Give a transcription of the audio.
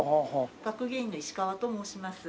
学芸員の石川と申します。